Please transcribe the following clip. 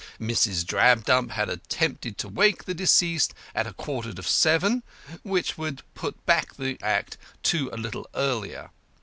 Mrs. Drabdump had attempted to wake the deceased at a quarter to seven, which would put back the act to a little earlier.